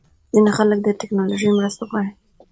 ځینې خلک د ټېکنالوژۍ مرسته غواړي.